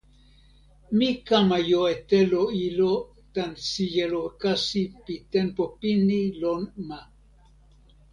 mi kama jo e telo ilo tan sijelo kasi pi tenpo pini lon ma.